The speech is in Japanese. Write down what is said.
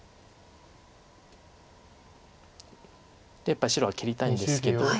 やっぱり白は切りたいんですけど。